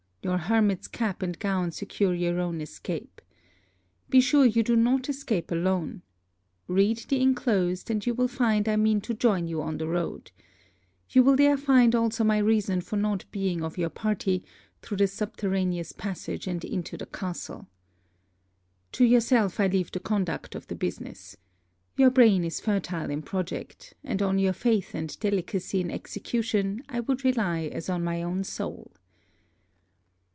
Your hermit's cap and gown secure your own escape. Be sure you do not escape alone. Read the inclosed, and you will find I mean to join you on the road. You will there find also my reason for not being of your party, through the subterraneous passage and into the castle. To yourself I leave the conduct of the business. Your brain is fertile in project; and on your faith and delicacy in execution I would rely as on my own soul.